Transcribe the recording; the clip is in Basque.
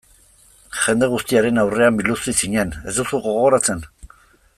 Jende guztiaren aurrean biluzi zinen, ez duzu gogoratzen?